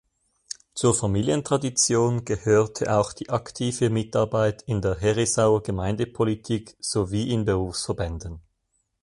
Zur Familientradition gehörte auch die aktive Mitarbeit in der Herisauer Gemeindepolitik sowie in Berufsverbänden.